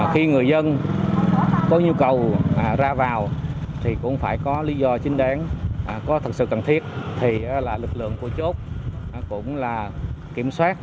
khi người dân có nhu cầu ra vào thì cũng phải có lý do chính đáng có thật sự cần thiết thì lực lượng của chốt cũng là kiểm soát